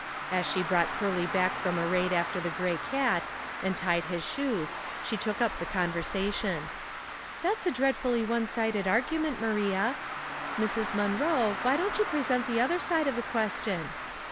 As she brou.ht Pearly back from a raid after the gray cat, and tied his shoes, she took up the conversation. " That's a dreadfully one sided argument, Maria. Mrs. Munroe, why don't you present the other side of the question